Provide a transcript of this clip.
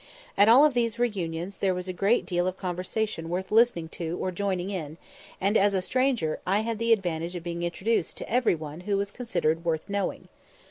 At all of these re unions there was a great deal of conversation worth listening to or joining in, and, as a stranger, I had the advantage of being introduced to every one who was considered worth knowing.